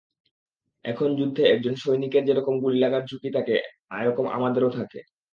এখন যুদ্ধে একজন সৈনিকের যেরকম গুলি লাগার ঝুঁকি থাকে, এরকম আমাদেরও থাকে।